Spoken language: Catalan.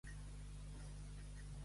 Grunyint el porc, en la porquera mor.